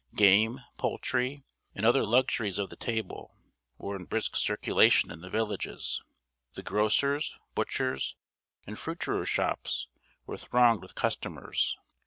Game, poultry, and other luxuries of the table, were in brisk circulation in the villages; the grocers', butchers', and fruiterers' shops were thronged with customers.